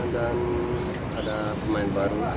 dan ada pemain baru